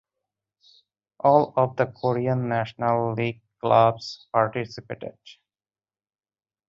All of the Korea National League clubs participated.